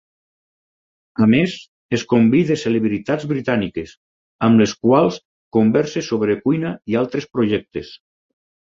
A més, es convida celebritats britàniques, amb les quals conversa sobre cuina i altres projectes.